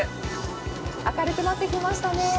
明るくなってきましたね。